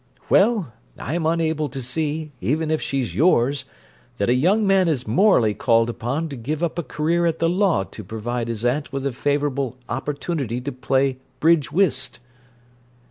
"Well, I'm unable to see, even if she's yours, that a young man is morally called upon to give up a career at the law to provide his aunt with a favourable opportunity to play bridge whist!"